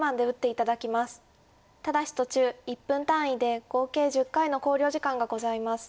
ただし途中１分単位で合計１０回の考慮時間がございます。